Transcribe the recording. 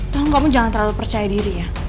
tolong kamu jangan terlalu percaya diri ya